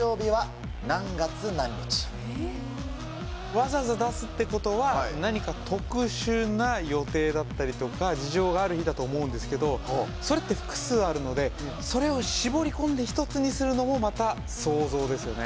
わざわざ出すってことは何か特殊な予定だったりとか事情がある日だと思うんですけどそれって複数あるのでそれを絞り込んで一つにするのもまたソウゾウですよね。